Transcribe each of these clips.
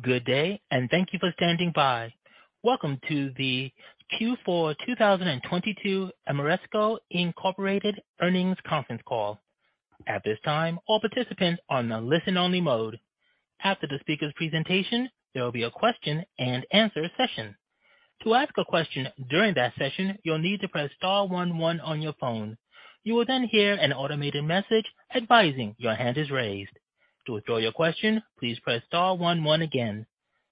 Good day, and thank you for standing by. Welcome to the Q4 2022 Ameresco, Inc. earnings conference call. At this time, all participants are on a listen only mode. After the speaker's presentation, there will be a question and answer session. To ask a question during that session, you'll need to press star one one on your phone. You will then hear an automated message advising your hand is raised. To withdraw your question, please press star one one again.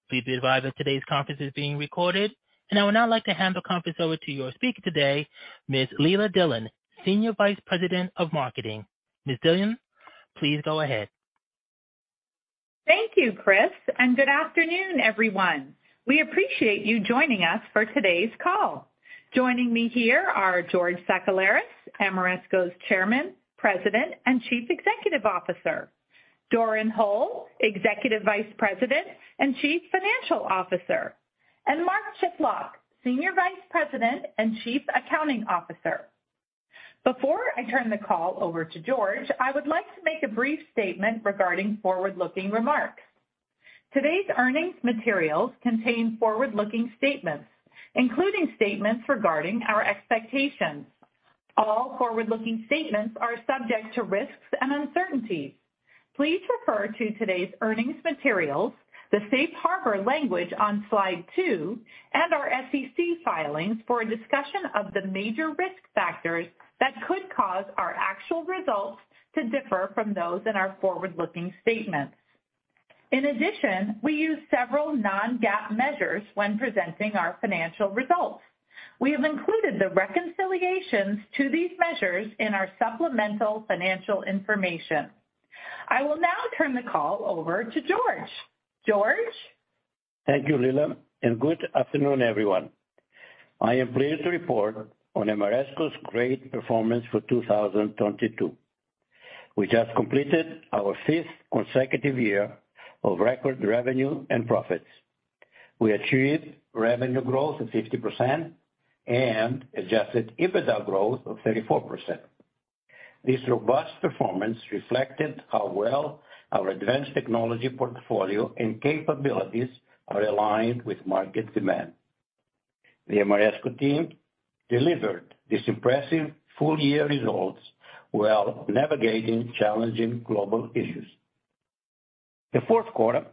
Please be advised today's conference is being recorded. I would now like to hand the conference over to your speaker today, Ms. Leila Dillon, Senior Vice President of Marketing. Ms. Dillon, please go ahead. Thank you, Chris. Good afternoon, everyone. We appreciate you joining us for today's call. Joining me here are George Sakellaris, Ameresco's Chairman, President, and Chief Executive Officer. Doran Hole, Executive Vice President and Chief Financial Officer, and Mark Chiplock, Senior Vice President and Chief Accounting Officer. Before I turn the call over to George, I would like to make a brief statement regarding forward-looking remarks. Today's earnings materials contain forward-looking statements, including statements regarding our expectations. All forward-looking statements are subject to risks and uncertainties. Please refer to today's earnings materials, the safe harbor language on slide two, and our SEC filings for a discussion of the major risk factors that could cause our actual results to differ from those in our forward-looking statements. In addition, we use several non-GAAP measures when presenting our financial results. We have included the reconciliations to these measures in our supplemental financial information. I will now turn the call over to George. George? Thank you, Lela. Good afternoon, everyone. I am pleased to report on Ameresco's great performance for 2022. We just completed our fifth consecutive year of record revenue and profits. We achieved revenue growth of 50% and adjusted EBITDA growth of 34%. This robust performance reflected how well our advanced technology portfolio and capabilities are aligned with market demand. The Ameresco team delivered these impressive full-year results while navigating challenging global issues. The fourth quarter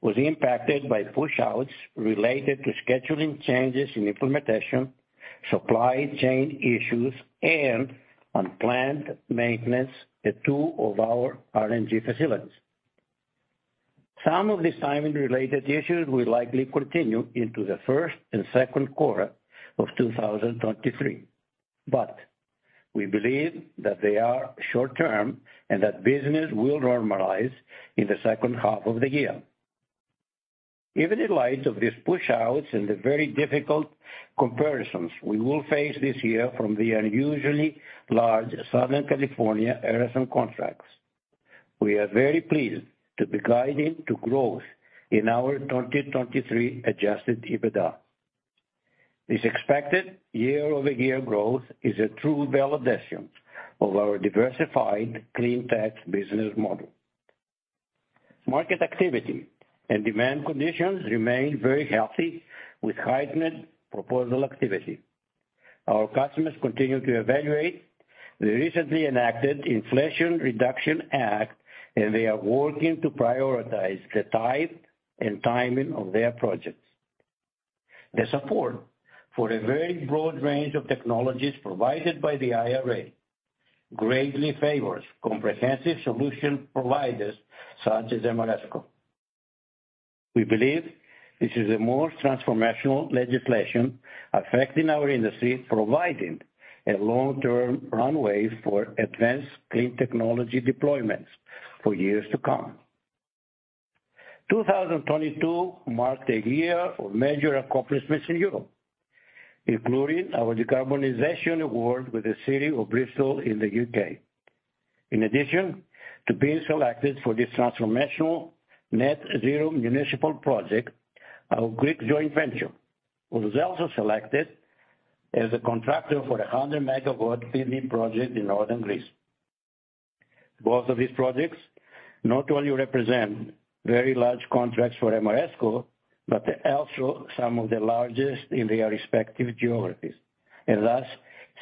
was impacted by pushouts related to scheduling changes in implementation, supply chain issues, and unplanned maintenance at two of our RNG facilities. Some of these timing-related issues will likely continue into the first and second quarter of 2023, but we believe that they are short-term and that business will normalize in the second half of the year. Even in light of these pushouts and the very difficult comparisons we will face this year from the unusually large Southern California Edison contracts, we are very pleased to be guiding to growth in our 2023 adjusted EBITDA. This expected year-over-year growth is a true validation of our diversified cleantech business model. Market activity and demand conditions remain very healthy with heightened proposal activity. Our customers continue to evaluate the recently enacted Inflation Reduction Act, and they are working to prioritize the type and timing of their projects. The support for a very broad range of technologies provided by the IRA greatly favors comprehensive solution providers such as Ameresco. We believe this is a more transformational legislation affecting our industry, providing a long-term runway for advanced clean technology deployments for years to come. 2022 marked a year of major accomplishments in Europe, including our decarbonization award with the City of Bristol in the U.K. In addition to being selected for this transformational net zero municipal project, our Greek joint venture was also selected as a contractor for a 100 MW PV project in northern Greece. Both of these projects not only represent very large contracts for Ameresco, but also some of the largest in their respective geographies, thus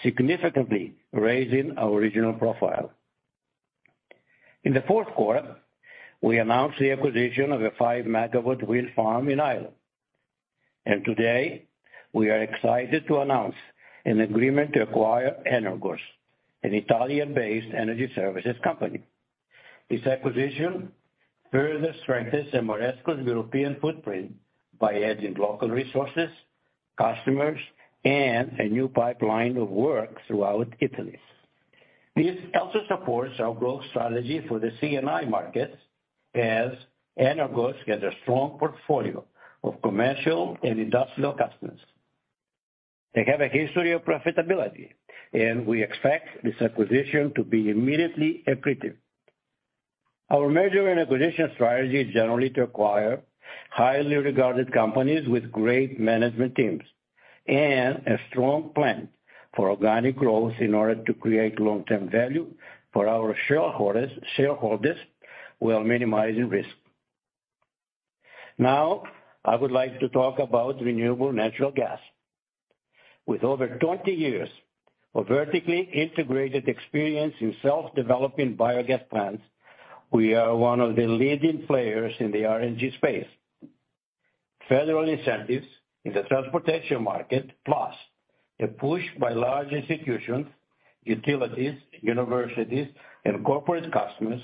significantly raising our regional profile. In the fourth quarter, we announced the acquisition of a 5 MW wind farm in Ireland. Today, we are excited to announce an agreement to acquire Enerqos, an Italian-based energy services company. This acquisition further strengthens Ameresco's European footprint by adding local resources, customers, and a new pipeline of work throughout Italy. This also supports our growth strategy for the C&I markets as Enerqos has a strong portfolio of commercial and industrial customers. They have a history of profitability, and we expect this acquisition to be immediately accretive. Our merger and acquisition strategy is generally to acquire highly regarded companies with great management teams. A strong plan for organic growth in order to create long-term value for our shareholders, while minimizing risk. Now, I would like to talk about renewable natural gas. With over 20 years of vertically integrated experience in self-developing biogas plants, we are one of the leading players in the RNG space. Federal incentives in the transportation market, plus a push by large institutions, utilities, universities, and corporate customers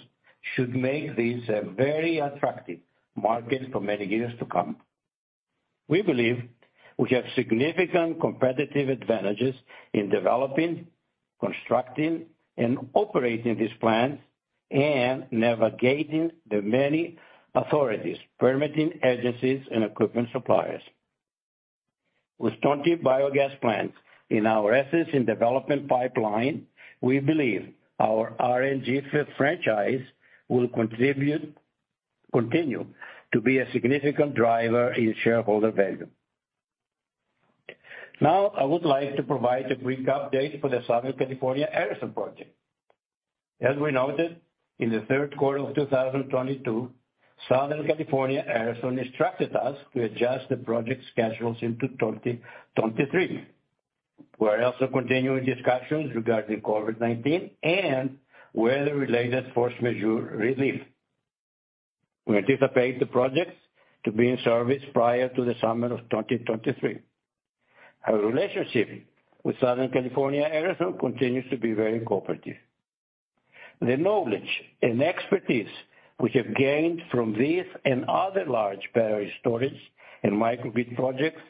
should make this a very attractive market for many years to come. We believe we have significant competitive advantages in developing, constructing, and operating these plants and navigating the many authorities, permitting agencies, and equipment suppliers. With 20 biogas plants in our assets and development pipeline, we believe our RNG fee franchise will continue to be a significant driver in shareholder value. I would like to provide a brief update for the Southern California Edison project. As we noted in the third quarter of 2022, Southern California Edison instructed us to adjust the project schedules into 2023. We're also continuing discussions regarding COVID-19 and weather-related force majeure relief. We anticipate the projects to be in service prior to the summer of 2023. Our relationship with Southern California Edison continues to be very cooperative. The knowledge and expertise we have gained from this and other large battery storage and microgrid projects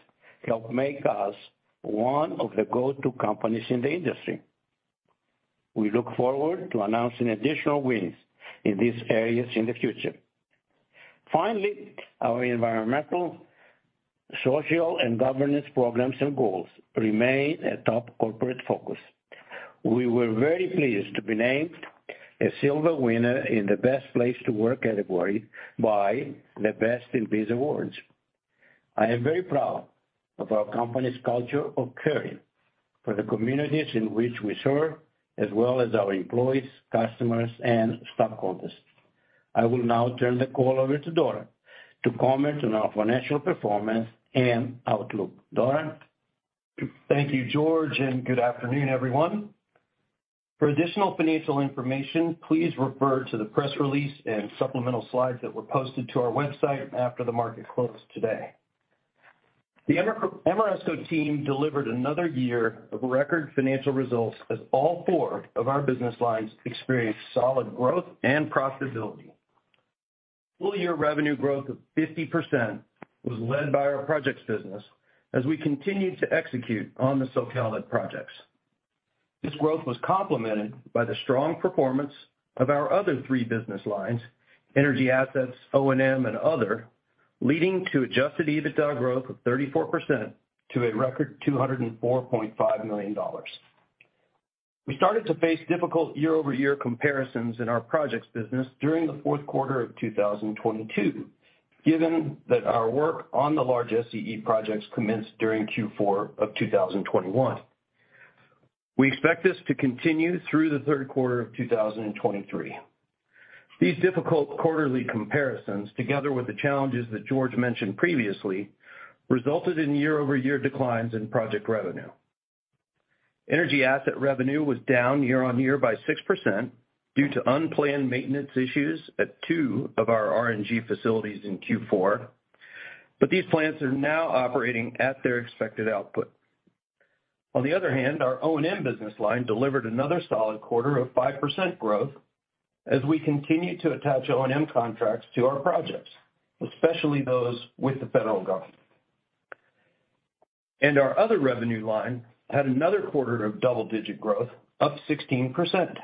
help make us one of the go-to companies in the industry. We look forward to announcing additional wins in these areas in the future. Finally, our environmental, social, and governance programs and goals remain a top corporate focus. We were very pleased to be named a silver winner in the Best Place to Work category by the Best in Biz Awards. I am very proud of our company's culture of caring for the communities in which we serve, as well as our employees, customers, and stockholders. I will now turn the call over to Doran to comment on our financial performance and outlook. Doran? Thank you, George, and good afternoon, everyone. For additional financial information, please refer to the press release and supplemental slides that were posted to our website after the market closed today. The Ameresco team delivered another year of record financial results as all four of our business lines experienced solid growth and profitability. Full-year revenue growth of 50% was led by our projects business as we continued to execute on the SoCal projects. This growth was complemented by the strong performance of our other three business lines, energy assets, O&M, and other, leading to adjusted EBITDA growth of 34% to a record $204.5 million. We started to face difficult year-over-year comparisons in our projects business during the fourth quarter of 2022, given that our work on the large SCE projects commenced during Q4 of 2021. We expect this to continue through the third quarter of 2023. These difficult quarterly comparisons, together with the challenges that George mentioned previously, resulted in year-over-year declines in project revenue. Energy asset revenue was down year-on-year by 6% due to unplanned maintenance issues at two of our RNG facilities in Q4, but these plants are now operating at their expected output. On the other hand, our O&M business line delivered another solid quarter of 5% growth as we continue to attach O&M contracts to our projects, especially those with the federal government. Our other revenue line had another quarter of double-digit growth, up 16%.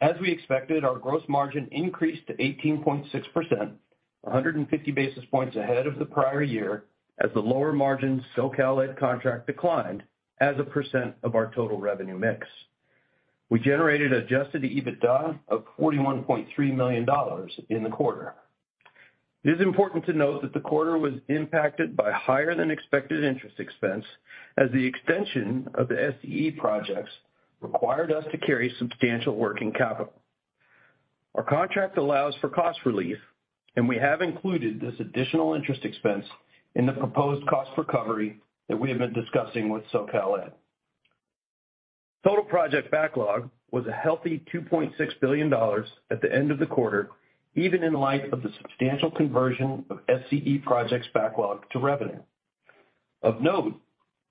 As we expected, our gross margin increased to 18.6%, 150 basis points ahead of the prior year, as the lower-margin SoCal Ed contract declined as a percent of our total revenue mix. We generated adjusted EBITDA of $41.3 million in the quarter. It is important to note that the quarter was impacted by higher than expected interest expense as the extension of the SCE projects required us to carry substantial working capital. Our contract allows for cost relief, and we have included this additional interest expense in the proposed cost recovery that we have been discussing with SoCal Ed. Total project backlog was a healthy $2.6 billion at the end of the quarter, even in light of the substantial conversion of SCE projects backlog to revenue. Of note,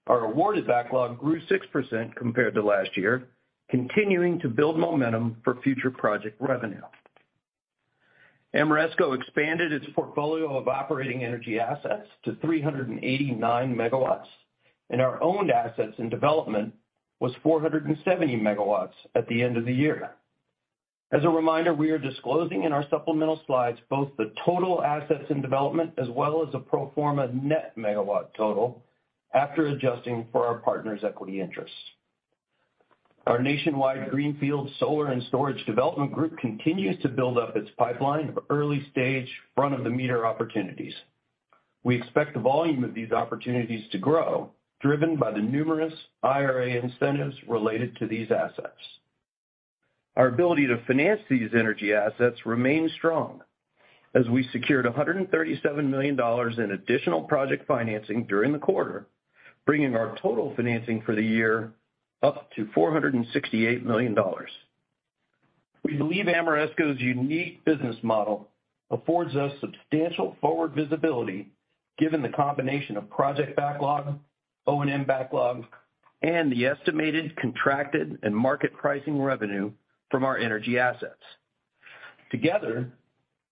our awarded backlog grew 6% compared to last year, continuing to build momentum for future project revenue. Ameresco expanded its portfolio of operating energy assets to 389 MWs. Our owned assets in development was 470 MWs at the end of the year. As a reminder, we are disclosing in our supplemental slides both the total assets in development as well as a pro forma net megawatt total after adjusting for our partners' equity interests. Our nationwide greenfield solar and storage development group continues to build up its pipeline of early-stage front of the meter opportunities. We expect the volume of these opportunities to grow, driven by the numerous IRA incentives related to these assets. Our ability to finance these energy assets remains strong as we secured $137 million in additional project financing during the quarter, bringing our total financing for the year up to $468 million. We believe Ameresco's unique business model affords us substantial forward visibility given the combination of project backlog, O&M backlog, and the estimated contracted and market pricing revenue from our energy assets. Together,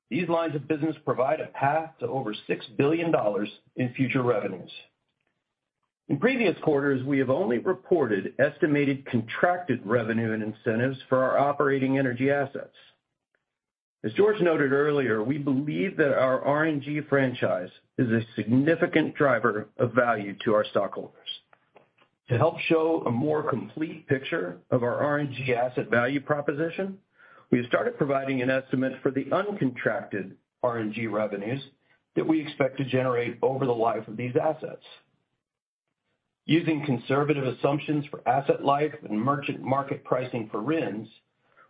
these lines of business provide a path to over $6 billion in future revenues. In previous quarters, we have only reported estimated contracted revenue and incentives for our operating energy assets. As George noted earlier, we believe that our RNG franchise is a significant driver of value to our stockholders. To help show a more complete picture of our RNG asset value proposition, we started providing an estimate for the uncontracted RNG revenues that we expect to generate over the life of these assets. Using conservative assumptions for asset life and merchant market pricing for RINs,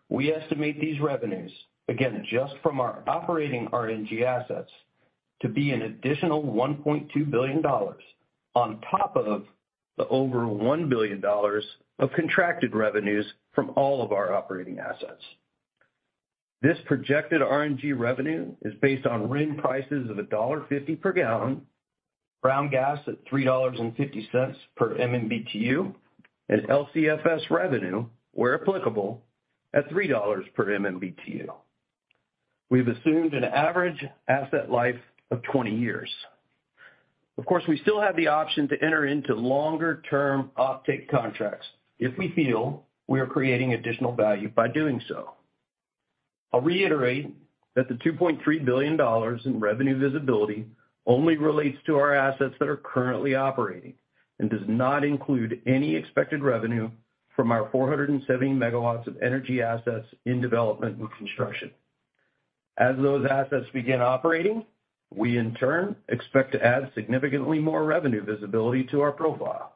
we estimate these revenues, again, just from our operating RNG assets, to be an additional $1.2 billion on top of the over $1 billion of contracted revenues from all of our operating assets. This projected RNG revenue is based on RIN prices of $1.50 per gallon, brown gas at $3.50 per MMBTU, and LCFS revenue, where applicable, at $3 per MMBTU. We've assumed an average asset life of 20 years. Of course, we still have the option to enter into longer-term offtake contracts if we feel we are creating additional value by doing so. I'll reiterate that the $2.3 billion in revenue visibility only relates to our assets that are currently operating and does not include any expected revenue from our 470 MWs of energy assets in development and construction. As those assets begin operating, we in turn expect to add significantly more revenue visibility to our profile.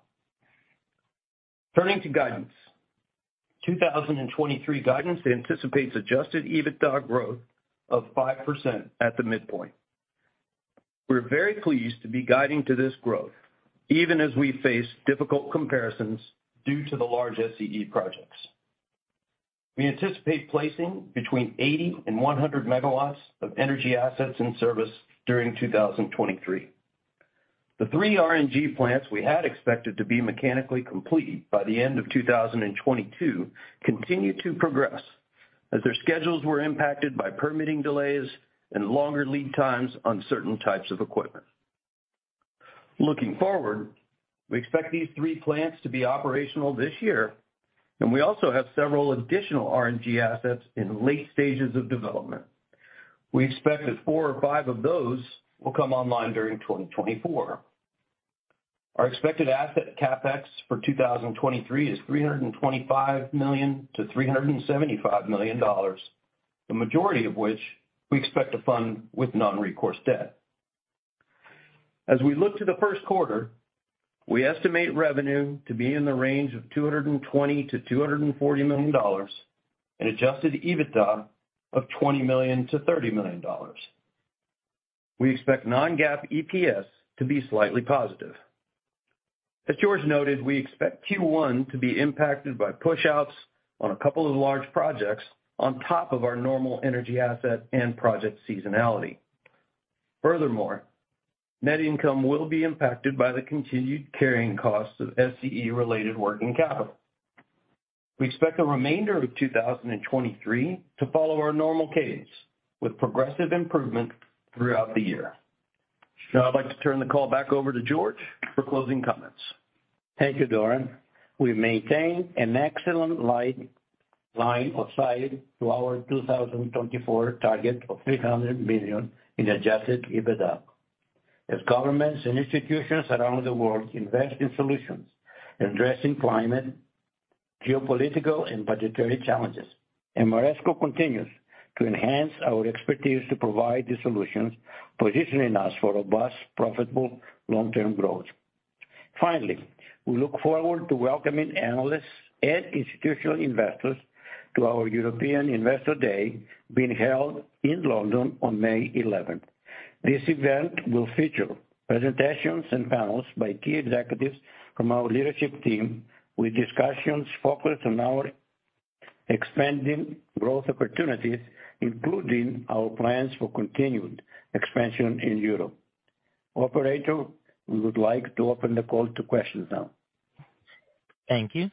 Turning to guidance. 2023 guidance anticipates adjusted EBITDA growth of 5% at the midpoint. We're very pleased to be guiding to this growth even as we face difficult comparisons due to the large SCE projects. We anticipate placing between 80-100 MWs of energy assets in service during 2023. The 3 RNG plants we had expected to be mechanically complete by the end of 2022 continue to progress as their schedules were impacted by permitting delays and longer lead times on certain types of equipment. Looking forward, we expect these three plants to be operational this year, and we also have several additional RNG assets in late stages of development. We expect that four or five of those will come online during 2024. Our expected asset CapEx for 2023 is $325-375 million, the majority of which we expect to fund with non-recourse debt. As we look to the first quarter, we estimate revenue to be in the range of $220-240 million and adjusted EBITDA of $20-30 million. We expect non-GAAP EPS to be slightly positive. As George noted, we expect Q1 to be impacted by pushouts on a couple of large projects on top of our normal energy asset and project seasonality. Net income will be impacted by the continued carrying costs of SCE-related working capital. We expect the remainder of 2023 to follow our normal cadence with progressive improvement throughout the year. I'd like to turn the call back over to George for closing comments. Thank you, Doran. We maintain an excellent line of sight to our 2024 target of $300 million in adjusted EBITDA. Governments and institutions around the world invest in solutions, addressing climate, geopolitical, and budgetary challenges, Ameresco continues to enhance our expertise to provide the solutions, positioning us for robust, profitable long-term growth. We look forward to welcoming analysts and institutional investors to our European Investor Day being held in London on May 11th. This event will feature presentations and panels by key executives from our leadership team, with discussions focused on our expanding growth opportunities, including our plans for continued expansion in Europe. Operator, we would like to open the call to questions now. Thank you.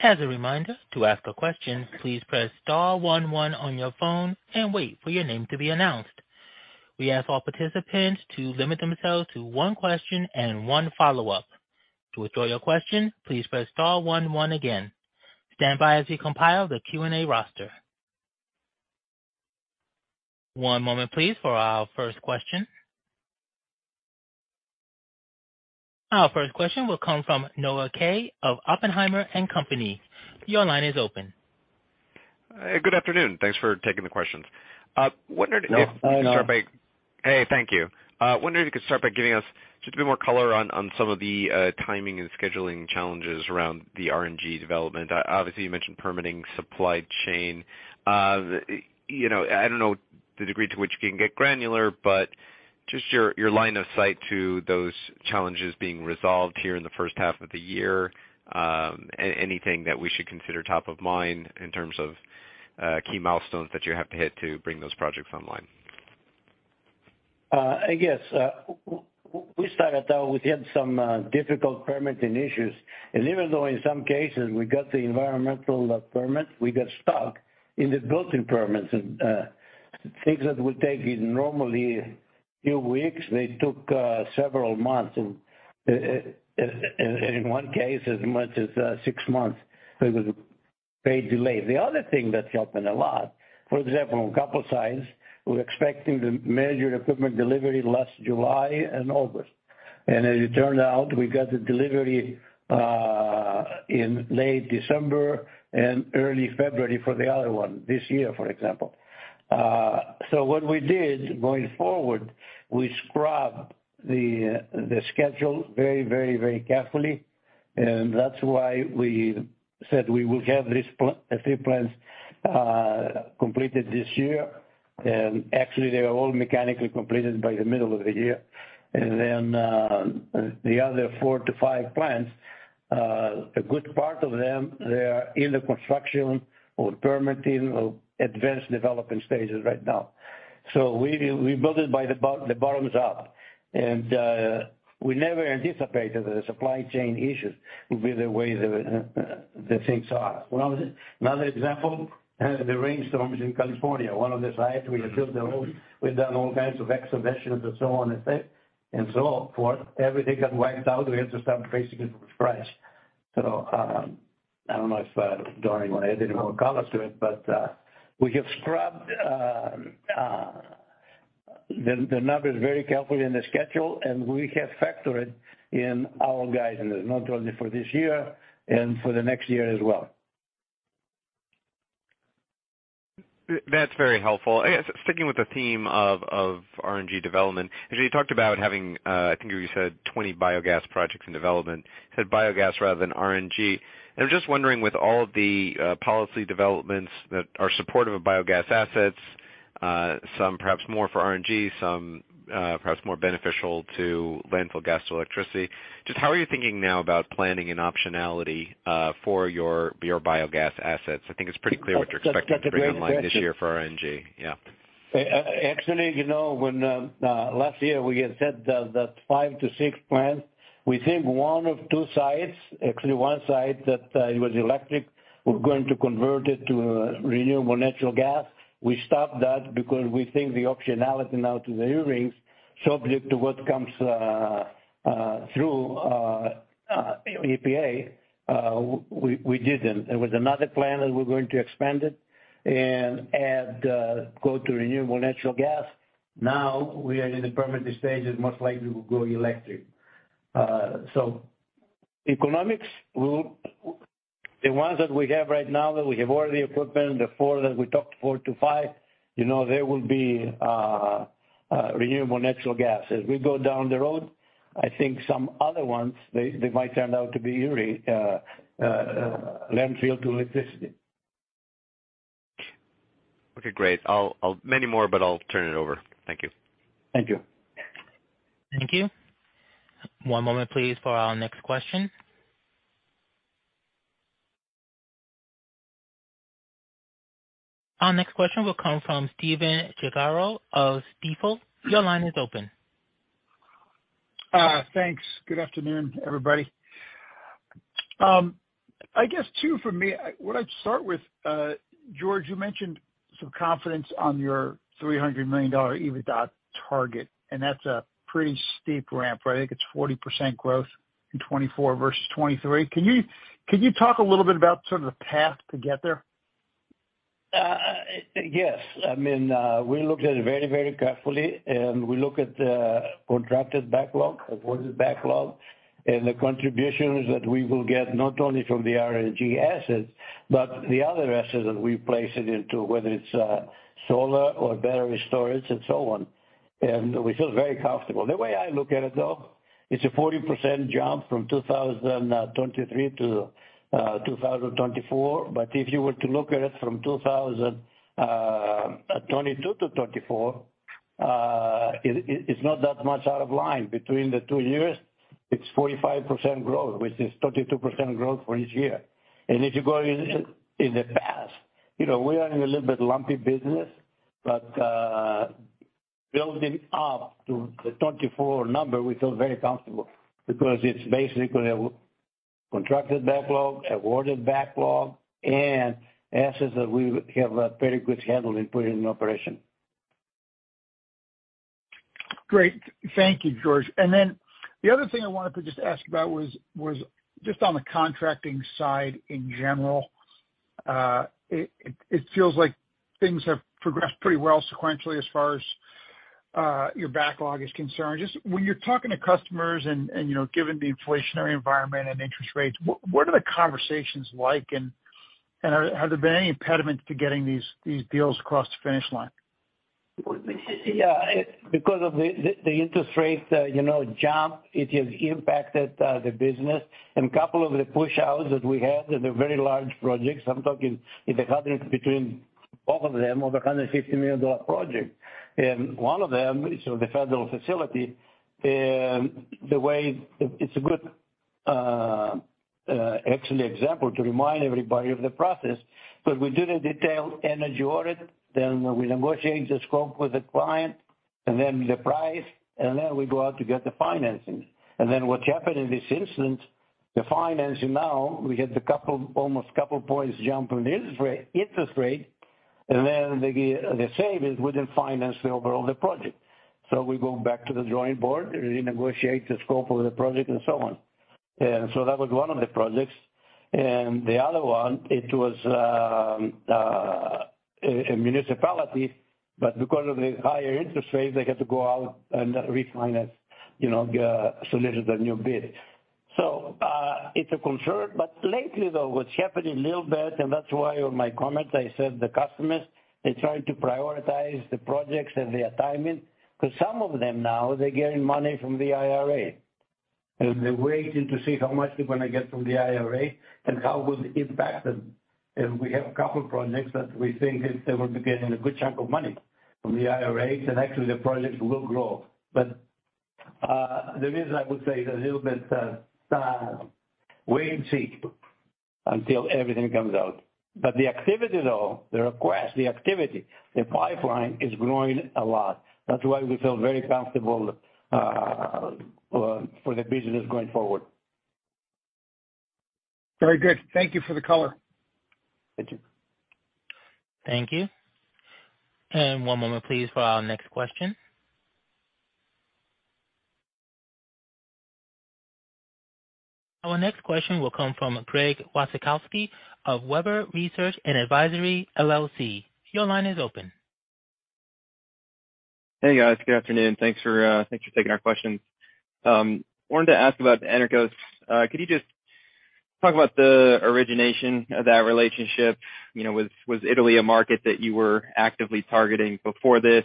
As a reminder, to ask a question, please press star one one on your phone and wait for your name to be announced. We ask all participants to limit themselves to one question and one follow-up. To withdraw your question, please press star one one again. Stand by as we compile the Q&A roster. One moment, please, for our first question. Our first question will come from Noah Kaye of Oppenheimer and Company. Your line is open. Good afternoon. Thanks for taking the questions. Wondered. Yeah. You could start by... Hey, thank you. Wondering if you could start by giving us just a bit more color on some of the timing and scheduling challenges around the RNG development. Obviously, you mentioned permitting supply chain. You know, I don't know the degree to which you can get granular, but just your line of sight to those challenges being resolved here in the first half of the year. Anything that we should consider top of mind in terms of key milestones that you have to hit to bring those projects online? I guess, we started out, we had some difficult permitting issues. Even though in some cases we got the environmental permits, we got stuck in the building permits. Things that would take you normally few weeks, they took several months. In one case, as much as six months. There was a big delay. The other thing that happened a lot, for example, a couple sites were expecting the major equipment delivery last July and August. As it turned out, we got the delivery in late December and early February for the other one this year, for example. What we did going forward, we scrubbed the schedule very carefully. That's why we said we will have these three plants completed this year. Actually, they were all mechanically completed by the middle of the year. Then, the other four to five plants, a good part of them, they are in the construction or permitting or advanced development stages right now. So we built it by the bottoms up. We never anticipated the supply chain issues would be the way the things are. Another example, the rainstorms in California. One of the sites we had built the road, we've done all kinds of excavations and so on. So for everything got wiped out, we had to start basically from fresh. I don't know if Donnie wanna add any more color to it, but we have scrubbed the numbers very carefully in the schedule, and we have factored it in our guidance, not only for this year and for the next year as well. That's very helpful. I guess sticking with the theme of RNG development, as you talked about having, I think you said 20 biogas projects in development. Said biogas rather than RNG. I'm just wondering, with all the policy developments that are supportive of biogas assets, some perhaps more for RNG, some perhaps more beneficial to landfill gas to electricity, just how are you thinking now about planning and optionality for your biogas assets? I think it's pretty clear what you're expecting to bring online this year for RNG. Yeah. Actually, you know, when last year we had said that five to six plants, we think one of two sites, actually one site that it was electric, we're going to convert it to renewable natural gas. We stopped that because we think the optionality now to the eRINs, subject to what comes through EPA, we didn't. There was another plan that we're going to expand it and add, go to renewable natural gas. Now we are in the permitting stages, most likely will go electric. Economics will. The ones that we have right now, that we have all the equipment, the four that we talked, four to five, you know, there will be renewable natural gas. As we go down the road, I think some other ones, they might turn out to be landfill to electricity. Okay, great. Many more, but I'll turn it over. Thank you. Thank you. Thank you. One moment please for our next question. Our next question will come from Stephen Gengaro of Stifel. Your line is open. Thanks. Good afternoon, everybody. I guess two for me. What I'd start with, George, you mentioned some confidence on your $300 million EBITDA target. That's a pretty steep ramp. I think it's 40% growth in 2024 versus 2023. Can you talk a little bit about sort of the path to get there? Yes. I mean, we looked at it very, very carefully, and we look at the contracted backlog, awarded backlog, and the contributions that we will get, not only from the RNG assets, but the other assets that we place it into, whether it's solar or battery storage and so on. We feel very comfortable. The way I look at it though, it's a 40% jump from 2023 to 2024. If you were to look at it from 2022 to 2024, it's not that much out of line. Between the two years, it's 45% growth, which is 32% growth for each year. If you go in the past, you know, we are in a little bit lumpy business. Building up to the 24 number, we feel very comfortable because it's basically contracted backlog, awarded backlog, and assets that we have a very good handle in putting in operation. Great. Thank you, George. The other thing I wanted to just ask about was just on the contracting side in general. It feels like things have progressed pretty well sequentially as far as your backlog is concerned. Just when you're talking to customers and, you know, given the inflationary environment and interest rates, what are the conversations like? Has there been any impediment to getting these deals across the finish line? Yeah. Because of the interest rate, you know, jump, it has impacted the business. Couple of the push outs that we had, and they're very large projects, I'm talking in the hundreds between both of them, over $150 million project. One of them is the federal facility. It's a good, excellent example to remind everybody of the process. We do the detailed energy audit, then we negotiate the scope with the client and then the price, and then we go out to get the financing. Then what happened in this instance, the financing now, we had almost a couple points jump in this interest rate, then the save is we didn't finance the overall the project. We go back to the drawing board, renegotiate the scope of the project and so on. The other one, it was a municipality, but because of the higher interest rates, they had to go out and refinance, you know, solicit a new bid. It's a concern. Lately though, what's happening a little bit, and that's why on my comments, I said the customers, they're trying to prioritize the projects and the timing, because some of them now they're getting money from the IRA, and they're waiting to see how much they're gonna get from the IRA and how it will impact them. We have a couple projects that we think they will be getting a good chunk of money from the IRA, and actually the projects will grow. The reason I would say is a little bit, wait and see until everything comes out. The activity though, the request, the activity, the pipeline is growing a lot. That's why we feel very comfortable for the business going forward. Very good. Thank you for the color. Thank you. Thank you. One moment please for our next question. Our next question will come from Gregory Wasikowski of Webber Research & Advisory LLC. Your line is open. Hey, guys. Good afternoon. Thanks for taking our questions. Wanted to ask about Enerqos. Could you just talk about the origination of that relationship? You know, was Italy a market that you were actively targeting before this?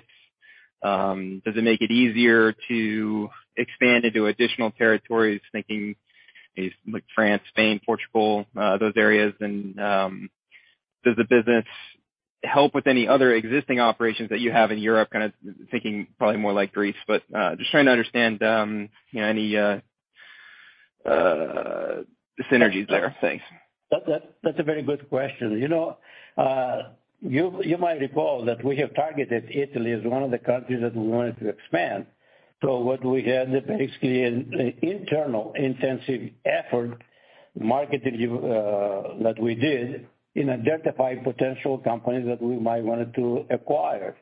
Does it make it easier to expand into additional territories, thinking like France, Spain, Portugal, those areas? Does the business help with any other existing operations that you have in Europe? Kinda thinking probably more like Greece, but just trying to understand, you know, any synergies there. Thanks. That's a very good question. You know, you might recall that we have targeted Italy as one of the countries that we wanted to expand. What we had basically an internal intensive effort marketing that we did in identifying potential companies that we might wanted to acquire.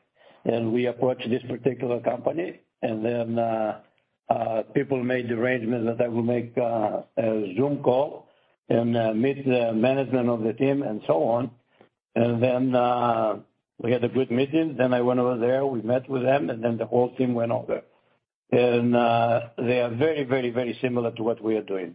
We approached this particular company, and then people made the arrangement that I will make a Zoom call and meet the management of the team and so on. We had a good meeting. I went over there, we met with them, and then the whole team went over. They are very, very, very similar to what we are doing.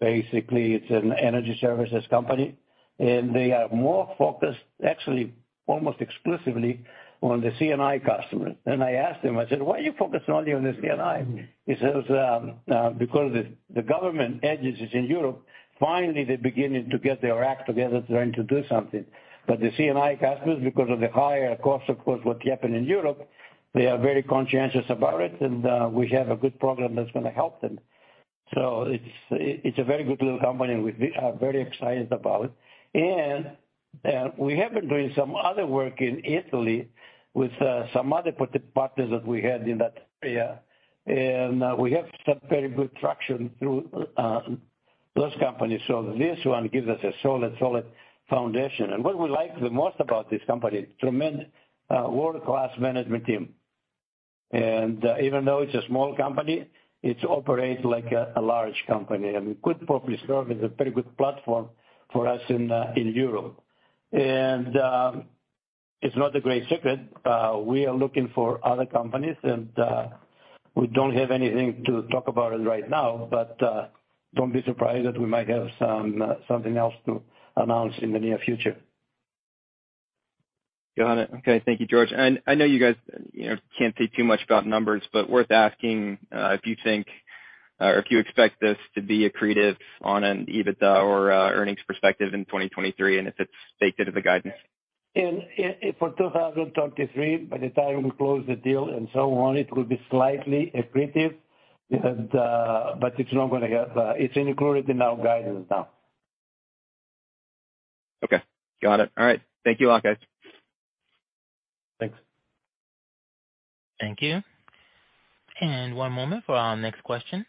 Basically, it's an energy services company, and they are more focused, actually almost exclusively, on the C&I customer. I asked him, I said, "Why are you focusing only on the C&I?" He says, because the government agencies in Europe, finally they're beginning to get their act together trying to do something. The C&I customers, because of the higher cost, of course, what happened in Europe, they are very conscientious about it and we have a good program that's gonna help them. It's a very good little company and we are very excited about. We have been doing some other work in Italy with some other part-partners that we had in that area. We have some very good traction through those companies. This one gives us a solid foundation. What we like the most about this company, tremendous, world-class management team. Even though it's a small company, it operates like a large company. I mean, could probably serve as a very good platform for us in Europe. It's not a great secret, we are looking for other companies and we don't have anything to talk about it right now, but don't be surprised that we might have something else to announce in the near future. Got it. Okay. Thank you, George. I know you guys, you know, can't say too much about numbers, but worth asking, if you think or if you expect this to be accretive on an EBITDA or earnings perspective in 2023, and if it's baked into the guidance. 2023, by the time we close the deal and so on, it will be slightly accretive because it's included in our guidance now. Okay. Got it. All right. Thank you all, guys. Thanks. Thank you. One moment for our next question.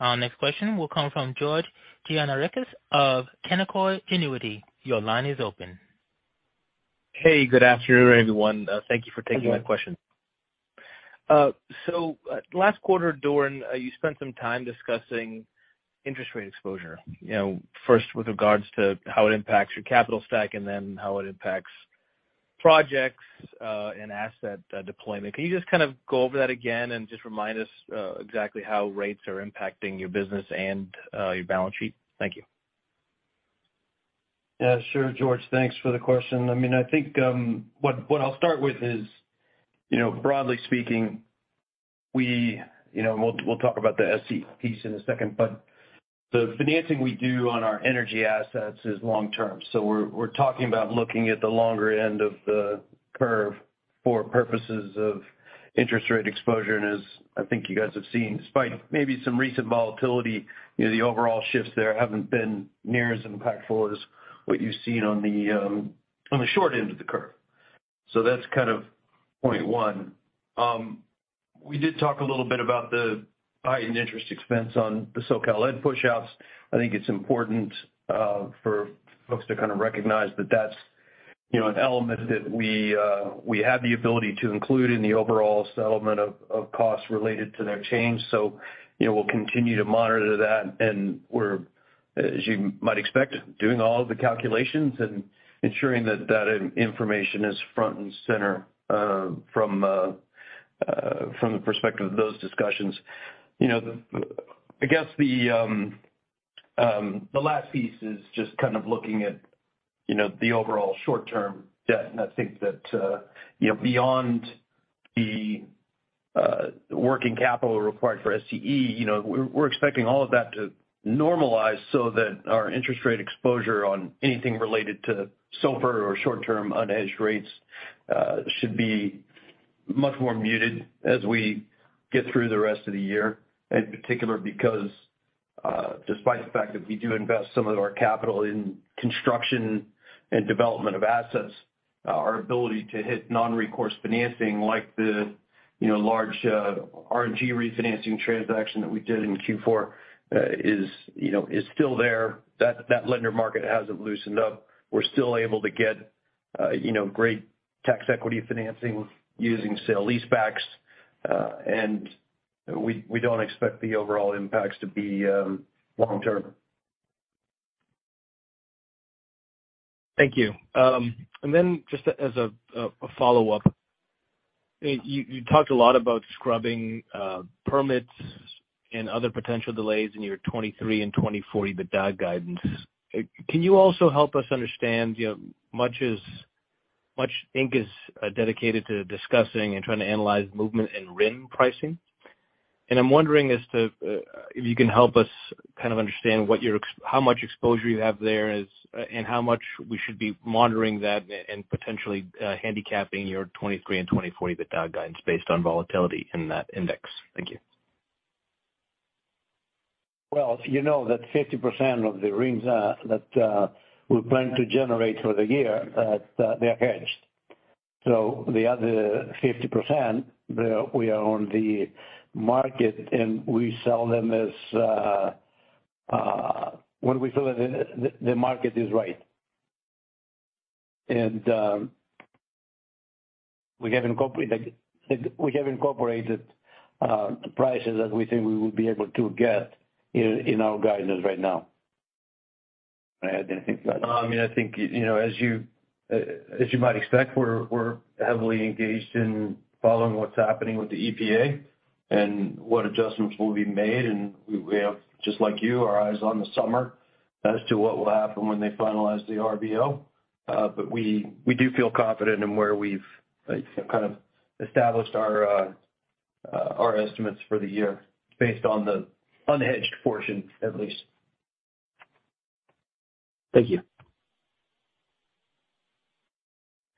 Our next question will come from George Gianarikas of Canaccord Genuity. Your line is open. Hey, good afternoon, everyone. Thank you for taking my question. Thank you. Last quarter, Doran, you spent some time discussing interest rate exposure. You know, first with regards to how it impacts your capital stack and then how it impacts projects, and asset, deployment. Can you just kind of go over that again and just remind us, exactly how rates are impacting your business and, your balance sheet? Thank you. Yeah, sure, George, thanks for the question. I mean, I think, what I'll start with is, you know, broadly speaking, we, you know, we'll talk about the SC piece in a second, but the financing we do on our energy assets is long-term. We're talking about looking at the longer end of the curve for purposes of interest rate exposure. As I think you guys have seen, despite maybe some recent volatility, you know, the overall shifts there haven't been near as impactful as what you've seen on the short end of the curve. That's kind of point 1. We did talk a little bit about the heightened interest expense on the SoCal Ed pushouts. I think it's important for folks to kind of recognize that that's, you know, an element that we have the ability to include in the overall settlement of costs related to their change. You know, we'll continue to monitor that, and we're, as you might expect, doing all the calculations and ensuring that that information is front and center from the perspective of those discussions. You know, I guess the last piece is just kind of looking at, you know, the overall short-term debt. I think that, you know, beyond the working capital required for SCE, you know, we're expecting all of that to normalize so that our interest rate exposure on anything related to SOFR or short-term unhedged rates should be much more muted as we get through the rest of the year. In particular because, despite the fact that we do invest some of our capital in construction and development of assets, our ability to hit non-recourse financing like the, you know, large, RNG refinancing transaction that we did in Q4, is, you know, is still there. That lender market hasn't loosened up. We're still able to get, you know, great tax equity financing using sale-leasebacks. We don't expect the overall impacts to be long term. Thank you. Then just as a follow-up. You talked a lot about scrubbing permits and other potential delays in your 2023 and 2024 EBITDA guidance. Can you also help us understand, you know, much ink is dedicated to discussing and trying to analyze movement in RIN pricing. I'm wondering as to if you can help us kind of understand what your how much exposure you have there is, and how much we should be monitoring that and potentially handicapping your 2023 and 2024 EBITDA guidance based on volatility in that index? Thank you. Well, you know that 50% of the RINs, that we plan to generate for the year, they're hedged. The other 50%, we are on the market, and we sell them as when we feel that the market is right. We have incorporated, the prices that we think we would be able to get in our guidance right now. Anything to add? I mean, I think, you know, as you, as you might expect, we're heavily engaged in following what's happening with the EPA and what adjustments will be made. We have, just like you, our eyes on the summer as to what will happen when they finalize the RVO. We do feel confident in where we've like, kind of established our estimates for the year based on the unhedged portion, at least. Thank you.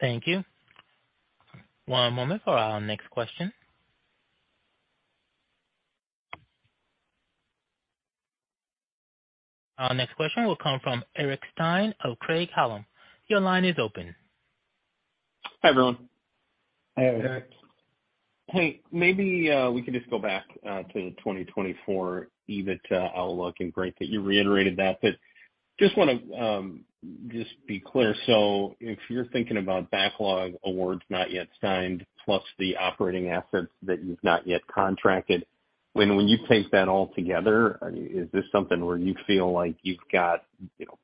Thank you. One moment for our next question. Our next question will come from Eric Stine of Craig-Hallum. Your line is open. Hi, everyone. Hi, Eric. Hi. Hey, maybe, we can just go back to the 2024 EBITDA outlook, and great that you reiterated that. Just wanna, just be clear. If you're thinking about backlog awards not yet signed, plus the operating assets that you've not yet contracted, when you take that all together, I mean, is this something where you feel like you've got, you know.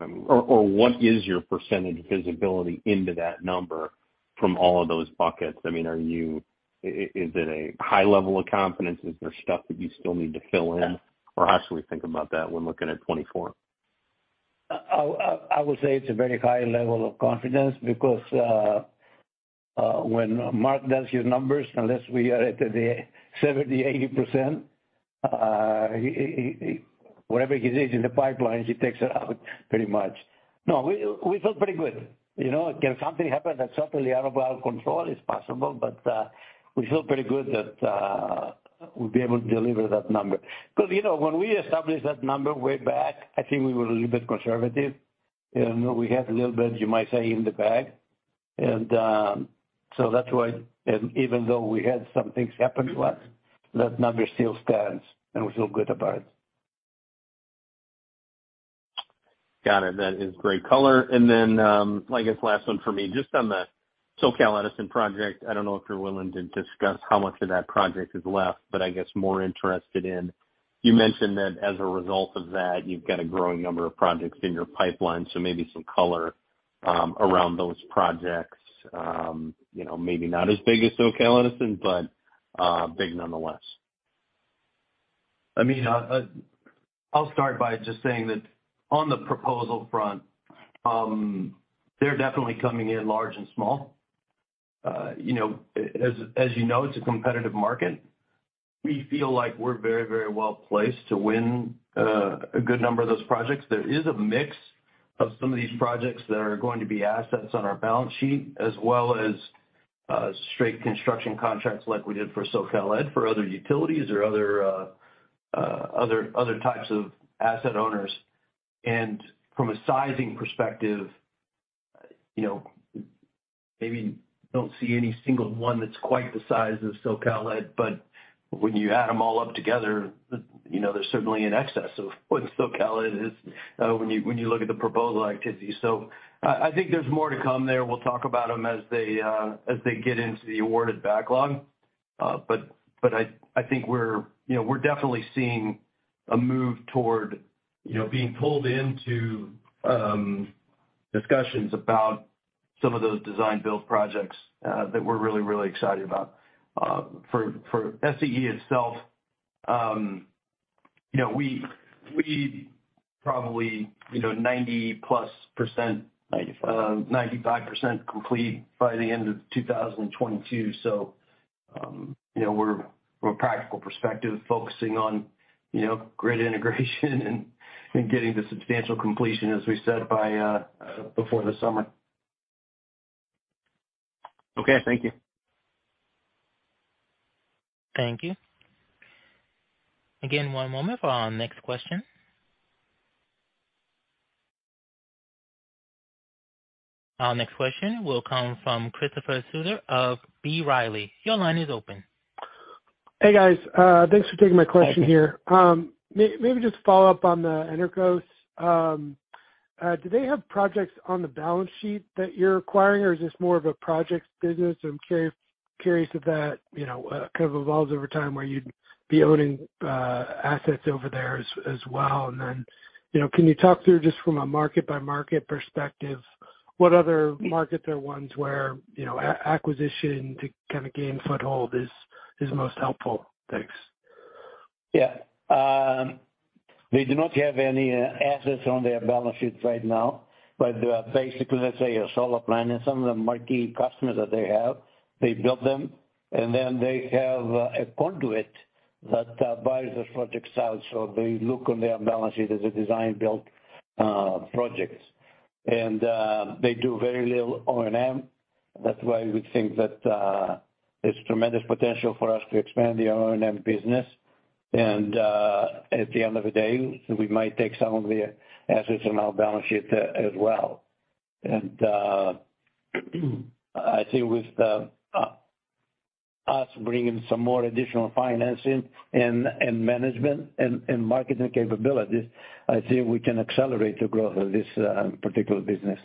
What is your percentage visibility into that number from all of those buckets? I mean, is it a high level of confidence? Is there stuff that you still need to fill in? How should we think about that when looking at 2024? I would say it's a very high level of confidence because when Mark does his numbers, unless we are at the 70%, 80%, he whatever he sees in the pipelines, he takes it out pretty much. No, we feel pretty good. You know, can something happen that's totally out of our control? It's possible, but we feel pretty good that we'll be able to deliver that number. Because, you know, when we established that number way back, I think we were a little bit conservative, and we have a little bit, you might say, in the bag. So that's why and even though we had some things happen last, that number still stands, and we feel good about it. Got it. That is great color. Then, I guess last one for me, just on the SoCal Edison project, I don't know if you're willing to discuss how much of that project is left, but I guess more interested in. You mentioned that as a result of that, you've got a growing number of projects in your pipeline, so maybe some color, around those projects, you know, maybe not as big as SoCal Edison, but big nonetheless. I mean, I'll start by just saying that on the proposal front, they're definitely coming in large and small. You know, as you know, it's a competitive market. We feel like we're very, very well placed to win a good number of those projects. There is a mix of some of these projects that are going to be assets on our balance sheet, as well as straight construction contracts like we did for SoCal Ed for other utilities or other types of asset owners. From a sizing perspective, you know, maybe don't see any single one that's quite the size of SoCal Ed, but when you add them all up together, you know, they're certainly in excess of what SoCal Ed is when you, when you look at the proposal activity. I think there's more to come there. We'll talk about them as they get into the awarded backlog. But I think we're, you know, definitely seeing a move toward, you know, being pulled into discussions about some of those design build projects that we're really, really excited about. For SCE itself, you know, we probably, you know, 90 plus. Ninety-five. 95% complete by the end of 2022. You know, we're from a practical perspective, focusing on, you know, grid integration and getting the substantial completion, as we said, by, before the summer. Okay. Thank you. Thank you. Again, one moment for our next question. Our next question will come from Christopher Souther of B. Riley. Your line is open. Hey, guys. Thanks for taking my question here. Maybe just follow up on the Enerqos. Do they have projects on the balance sheet that you're acquiring, or is this more of a project business? I'm curious if that, you know, kind of evolves over time where you'd be owning assets over there as well. You know, can you talk through just from a market by market perspective, what other markets are ones where, you know, acquisition to kind of gain foothold is most helpful? Thanks. Yeah. They do not have any assets on their balance sheets right now. They are basically, let's say, a solar plant and some of the marquee customers that they have, they built them, and then they have a conduit that buys those projects out. They look on their balance sheet as a design build projects. They do very little O&M. That's why we think that there's tremendous potential for us to expand the O&M business. At the end of the day, we might take some of the assets on our balance sheet as well. I think with us bringing some more additional financing and management and marketing capabilities, I think we can accelerate the growth of this particular business.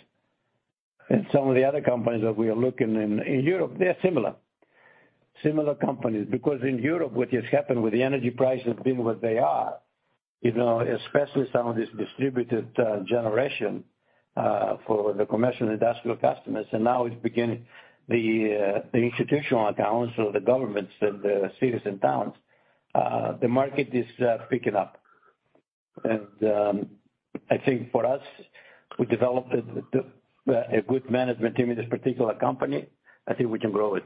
Some of the other companies that we are looking in Europe, they are similar companies, because in Europe, what has happened with the energy prices being what they are, you know, especially some of this distributed generation for the commercial and industrial customers, and now it's beginning the institutional accounts or the governments and the cities and towns, the market is picking up. I think for us, we developed a good management team in this particular company. I think we can grow it.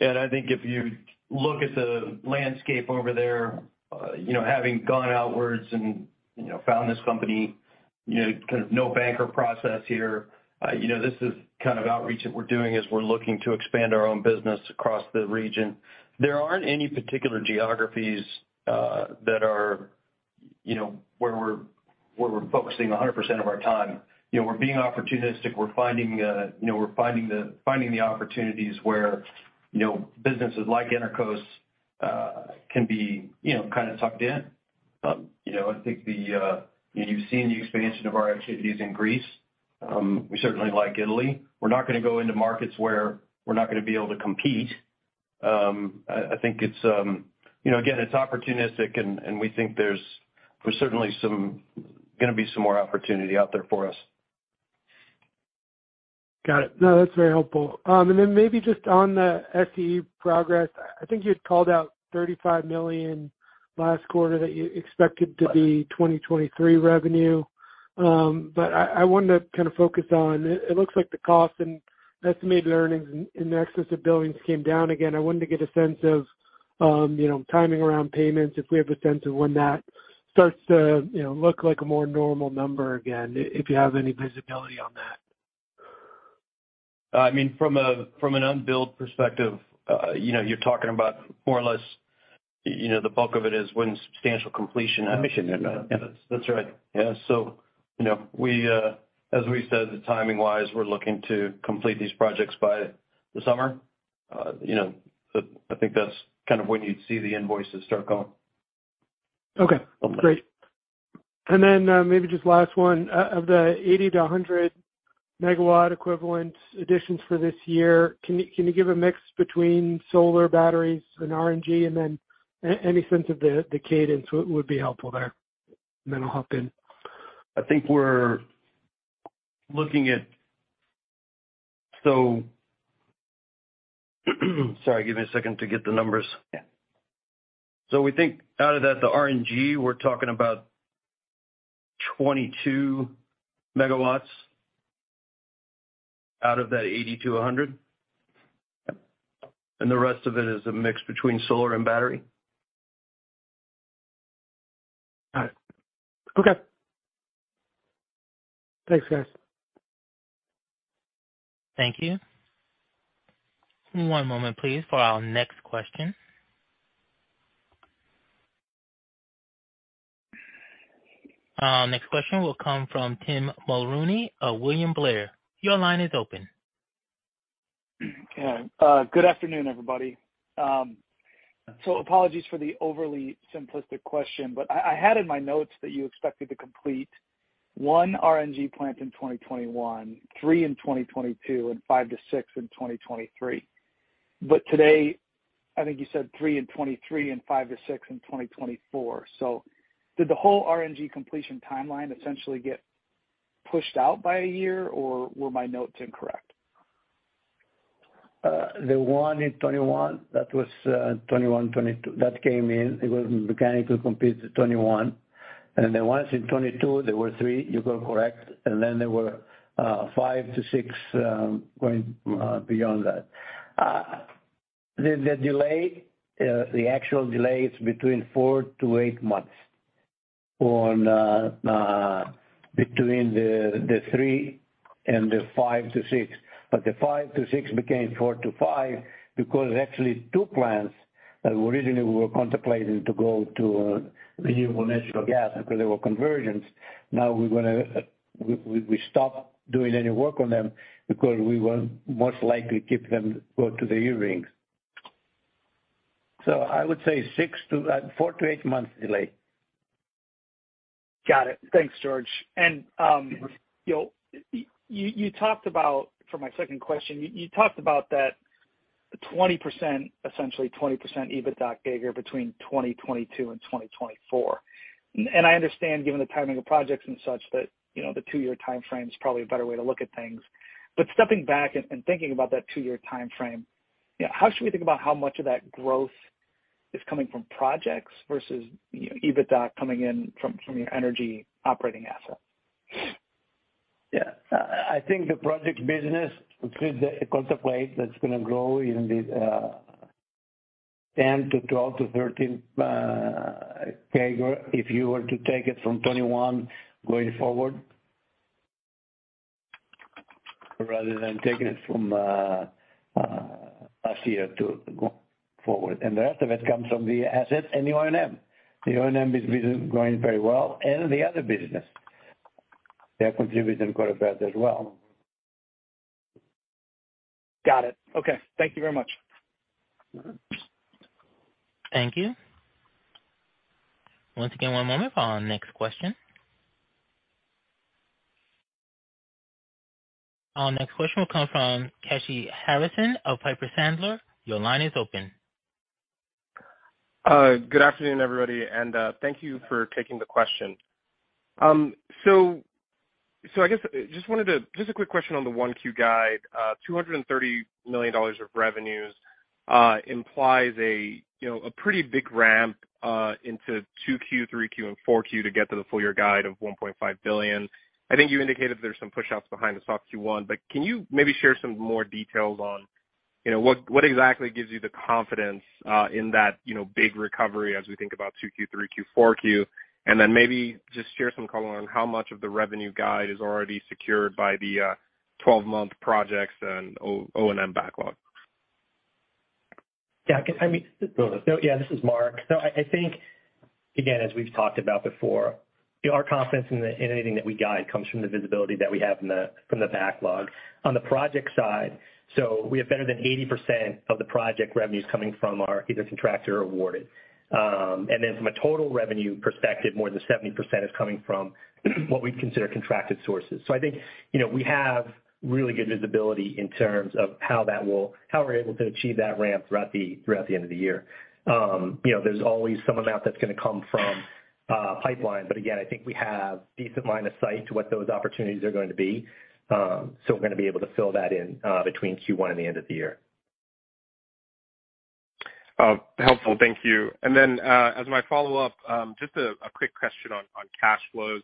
I think if you look at the landscape over there, you know, having gone outwards and, you know, found this company, you know, kind of no banker process here, you know, this is kind of outreach that we're doing as we're looking to expand our own business across the region. There aren't any particular geographies that are where we're focusing 100% of our time. You know, we're being opportunistic. We're finding, you know, we're finding the opportunities where, you know, businesses like Enerqos can be, you know, kind of tucked in. You know, I think the, you've seen the expansion of our activities in Greece. We certainly like Italy. We're not gonna go into markets where we're not gonna be able to compete. I think it's, you know, again, it's opportunistic and we think there's certainly gonna be some more opportunity out there for us. Got it. No, that's very helpful. Then maybe just on the SCE progress, I think you had called out $35 million last quarter that you expected to be 2023 revenue. I wanted to kind of focus on, it looks like the cost and estimated earnings and the excess of billings came down again. I wanted to get a sense of, you know, timing around payments, if we have a sense of when that starts to, you know, look like a more normal number again, if you have any visibility on that. I mean, from an unbilled perspective, you know, you're talking about more or less... You know, the bulk of it is when substantial completion. That's right. Yeah. You know, as we said, timing-wise, we're looking to complete these projects by the summer. You know, I think that's kind of when you'd see the invoices start going. Okay, great. Then maybe just last one. Of the 80 to 100 MW equivalent additions for this year, can you give a mix between solar batteries and RNG? Then any sense of the cadence would be helpful there. Then I'll hop in. I think we're looking at. Sorry, give me a second to get the numbers. Yeah. We think out of that, the RNG, we're talking about 22 MW out of that 80-100 MW. Yep. The rest of it is a mix between solar and battery. All right. Okay. Thanks, guys. Thank you. One moment, please, for our next question. Our next question will come from Tim Mulrooney of William Blair. Your line is open. Good afternoon, everybody. Apologies for the overly simplistic question, but I had in my notes that you expected to complete one RNG plant in 2021, three in 2022, and five to six in 2023. Today, I think you said three in 2023 and five to six in 2024. Did the whole RNG completion timeline essentially get pushed out by a year, or were my notes incorrect? The one in 21, that was 21, 22, that came in. It was mechanically complete to 21. The ones in 22, there were three. You were correct. There were five to six going beyond that. The delay, the actual delay is between four to eight months on between the three and the five to six. The five to six became four to five because actually two plants that originally were contemplating to go to renewable natural gas because they were conversions. Now we stopped doing any work on them because we will most likely keep them go to the eRINs. I would say four to eight months delay. Got it. Thanks, George. You know, you talked about, for my second question, you talked about that 20%, essentially 20% EBITDA CAGR between 2022 and 2024. I understand given the timing of projects and such, that, you know, the two-year timeframe is probably a better way to look at things. Stepping back and thinking about that two-year timeframe, you know, how should we think about how much of that growth is coming from projects versus, you know, EBITDA coming in from your energy operating assets? I think the project business includes a contemplate that's gonna grow in the 10% to 12% to 13% CAGR if you were to take it from 2021 going forward, rather than taking it from last year to go forward. The rest of it comes from the assets and the O&M. The O&M business is growing very well and the other business. They are contributing quite a bit as well. Got it. Okay. Thank you very much. Thank you. Once again, one moment for our next question. Our next question will come from Kashy Harrison of Piper Sandler. Your line is open. Good afternoon, everybody, thank you for taking the question. I guess just a quick question on the Q1 guide. $230 million of revenues implies a, you know, a pretty big ramp into Q2, Q3, and Q4 to get to the full-year guide of $1.5 billion. I think you indicated there's some pushouts behind the soft Q1, can you maybe share some more details on, you know, what exactly gives you the confidence in that, you know, big recovery as we think about Q2, Q3, Q4? Maybe just share some color on how much of the revenue guide is already secured by the 12-month projects and O&M backlog. Yeah, I mean... Go ahead. No, yeah, this is Mark. No, I think, again, as we've talked about before, our confidence in anything that we guide comes from the visibility that we have from the, from the backlog. On the project side, so we have better than 80% of the project revenues coming from our either contracted or awarded. And then from a total revenue perspective, more than 70% is coming from what we consider contracted sources. I think, you know, we have really good visibility in terms of how we're able to achieve that ramp throughout the, throughout the end of the year. You know, there's always some amount that's gonna come from pipeline, but again, I think we have decent line of sight to what those opportunities are going to be. We're gonna be able to fill that in between Q1 and the end of the year. Helpful. Thank you. As my follow-up, just a quick question on cash flows.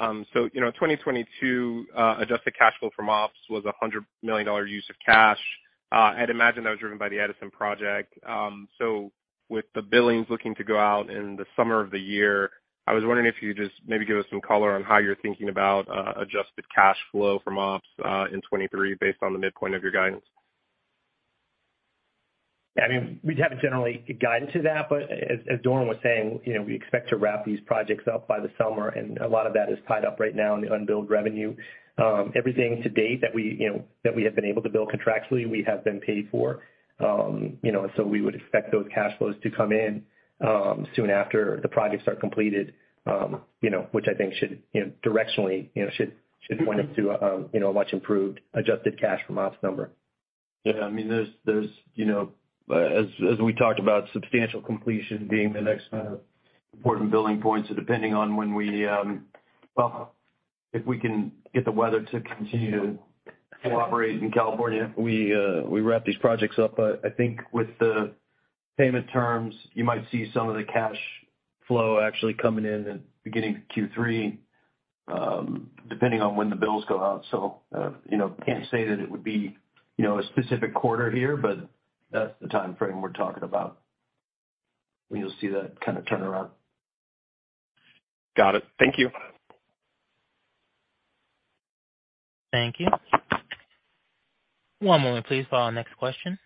You know, 2022 adjusted cash flow from ops was a $100 million use of cash. I'd imagine that was driven by the Edison project. With the billings looking to go out in the summer of the year, I was wondering if you could just maybe give us some color on how you're thinking about adjusted cash flow from ops in 2023 based on the midpoint of your guidance. I mean, we haven't generally guided to that, but as Doran was saying, you know, we expect to wrap these projects up by the summer, and a lot of that is tied up right now in the unbilled revenue. Everything to date that we, you know, that we have been able to bill contractually, we have been paid for. You know, we would expect those cash flows to come in, soon after the projects are completed, you know, which I think should, you know, directionally, should point us to, you know, a much improved adjusted cash from ops number. Yeah. I mean, there's, you know, as we talked about substantial completion being the next important billing point. Depending on when we, well, if we can get the weather to continue to cooperate in California, we wrap these projects up. I think with the payment terms, you might see some of the cash flow actually coming in in beginning Q3, depending on when the bills go out. you know, can't say that it would be, you know, a specific quarter here, but that's the timeframe we're talking about when you'll see that kind of turnaround. Got it. Thank you. Thank you. One moment, please, for our next question.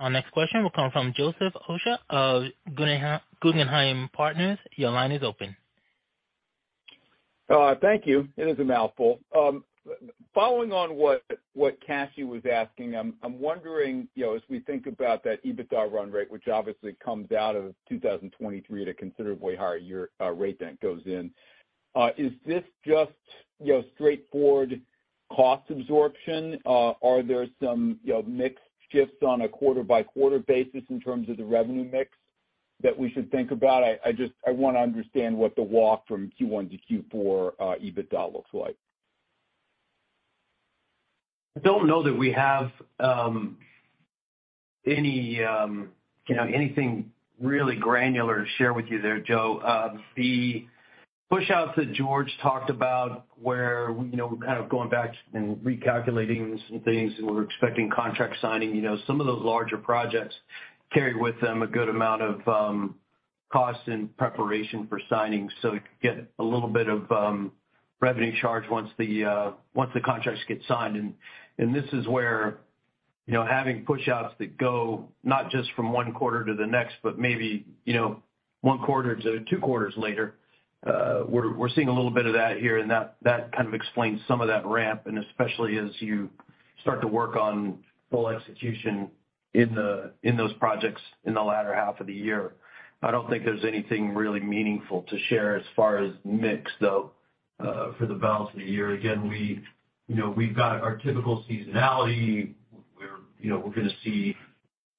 Our next question will come from Joseph Osha of Guggenheim Partners. Your line is open. Thank you. It is a mouthful. Following on what Kashy was asking, I'm wondering, you know, as we think about that EBITDA run rate, which obviously comes out of 2023 at a considerably higher year rate than it goes in, is this just, you know, straightforward cost absorption? Are there some, you know, mix shifts on a quarter-by-quarter basis in terms of the revenue mix that we should think about? I wanna understand what the walk from Q1 to Q4 EBITDA looks like. I don't know that we have, any, you know, anything really granular to share with you there, Joe. The pushouts that George talked about where we're, you know, kind of going back and recalculating some things, and we're expecting contract signing, you know, some of those larger projects carry with them a good amount of, cost and preparation for signing. You get a little bit of, revenue charge once the contracts get signed. This is where, you know, having pushouts that go not just from one quarter to the next, but maybe, you know, one quarter to two quarters later, we're seeing a little bit of that here, and that kind of explains some of that ramp, and especially as you start to work on full execution in those projects in the latter half of the year. I don't think there's anything really meaningful to share as far as mix, though, for the balance of the year. We, you know, we've got our typical seasonality. We're, you know, we're gonna see,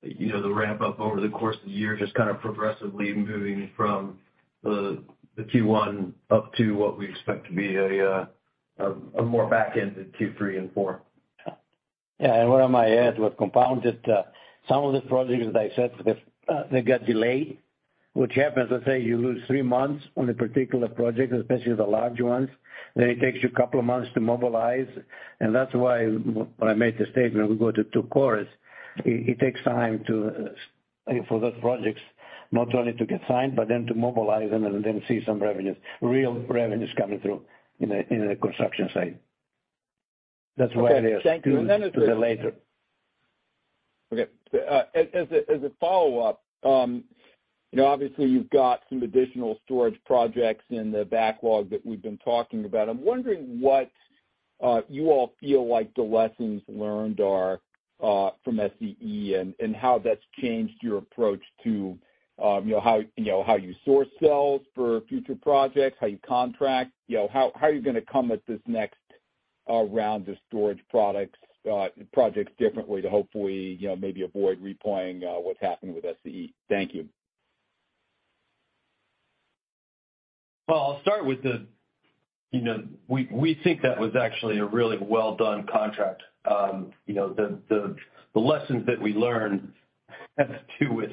you know, the ramp up over the course of the year, just kind of progressively moving from the Q1 up to what we expect to be a more back end in Q3 and Q4. Yeah. Where I might add what compounded, some of the projects, as I said, they got delayed, which happens, let's say you lose three months on a particular project, especially the large ones, then it takes you a couple of months to mobilize. That's why when I made the statement, we go to two quarters, it takes time to, you know, for those projects, not only to get signed, but then to mobilize them and then see some revenues, real revenues coming through in a, in a construction site. That's why it is... Okay. Thank you. A bit later. As a, as a follow-up, you know, obviously you've got some additional storage projects in the backlog that we've been talking about. I'm wondering what you all feel like the lessons learned are from SCE and how that's changed your approach to, you know, how, you know, how you source cells for future projects, how you contract, you know, how are you gonna come at this next round of storage products, projects differently to hopefully, you know, maybe avoid replaying what's happened with SCE? Thank you. I'll start with the. You know, we think that was actually a really well done contract. You know, the lessons that we learned has to do with,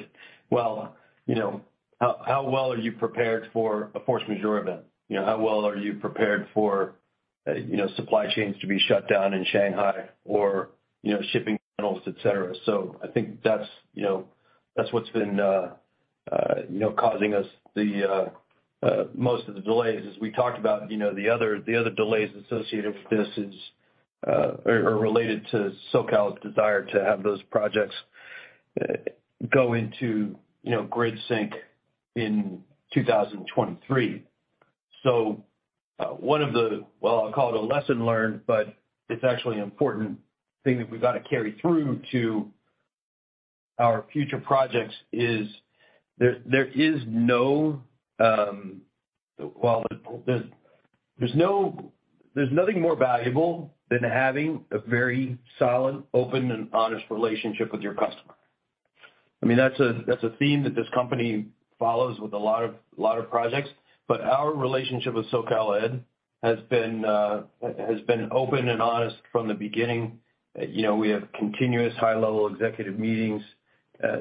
well, you know, how well are you prepared for a force majeure event? You know, how well are you prepared for you know, supply chains to be shut down in Shanghai or, you know, shipping channels, et cetera. I think that's, you know, that's what's been, you know, causing us the most of the delays. As we talked about, you know, the other delays associated with this is are related to SoCal's desire to have those projects go into, you know, grid sync in 2023. One of the. Well, I'll call it a lesson learned, but it's actually an important thing that we've got to carry through to our future projects is there nothing more valuable than having a very solid, open, and honest relationship with your customer. I mean, that's a, that's a theme that this company follows with a lot of projects. Our relationship with SoCal Ed has been open and honest from the beginning. You know, we have continuous high-level executive meetings.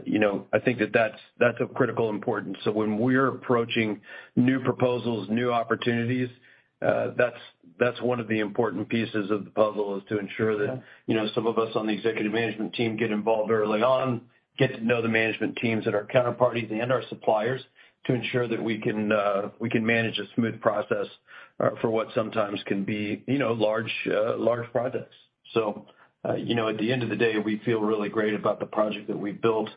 You know, I think that that's of critical importance. When we're approaching new proposals, new opportunities, that's one of the important pieces of the puzzle, is to ensure that, you know, some of us on the executive management team get involved early on, get to know the management teams at our counterparties and our suppliers to ensure that we can manage a smooth process for what sometimes can be, you know, large projects. You know, at the end of the day, we feel really great about the project that we built.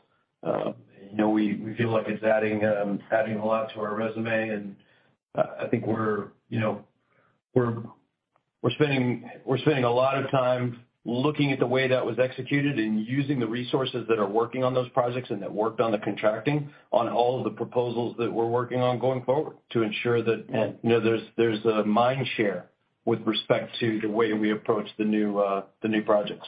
You know, we feel like it's adding a lot to our resume. I think we're, you know, we're spending a lot of time looking at the way that was executed and using the resources that are working on those projects and that worked on the contracting on all of the proposals that we're working on going forward to ensure that, you know, there's a mind share with respect to the way we approach the new projects.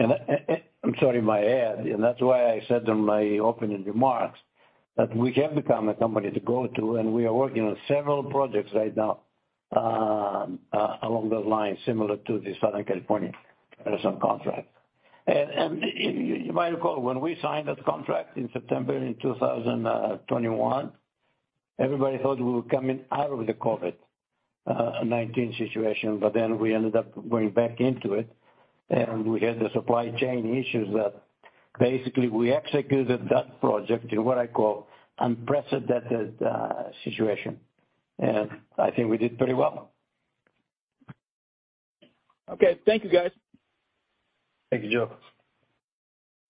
I'm sorry, may I add. That's why I said in my opening remarks that we have become a company to go to. We are working on several projects right now along those lines similar to the Southern California Edison contract. You might recall when we signed that contract in September in 2021, everybody thought we were coming out of the COVID-19 situation. We ended up going back into it. We had the supply chain issues that basically we executed that project in what I call unprecedented situation. I think we did pretty well. Okay. Thank you, guys. Thank you, Joe.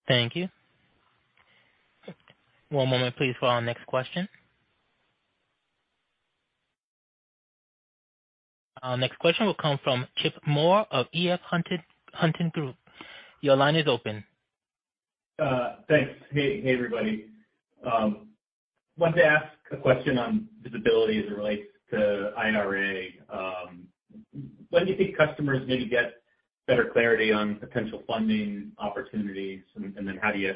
Thank you. One moment please for our next question. Our next question will come from Chip Moore of EF Hutton. Your line is open. Thanks. Hey, hey, everybody. Wanted to ask a question on visibility as it relates to IRA. When do you think customers maybe get better clarity on potential funding opportunities? Then how do you